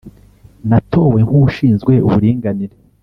natowe nk’ushinzwe uburinganire,